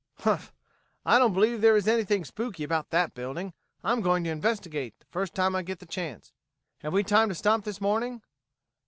"Humph! I don't believe there is anything spooky about that building. I'm going to investigate, the first time I get the chance. Have we time to stop this morning?"